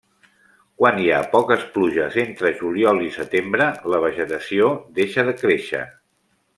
Quan hi ha poques pluges entre juliol i setembre, la vegetació deixa de créixer.